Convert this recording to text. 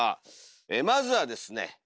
まずはですね